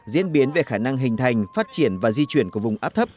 diễn biến về khả năng hình thành phát triển và di chuyển của vùng áp thấp